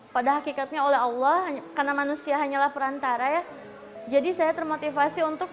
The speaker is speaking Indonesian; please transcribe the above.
pada hakikatnya oleh allah hanya karena manusia hanyalah perantara ya jadi saya termotivasi untuk